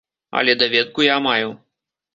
Але даведку я маю.